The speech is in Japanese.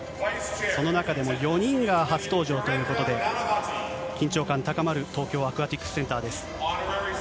その中でも４人が初登場ということで、緊張感高まる東京アクアティクスセンターです。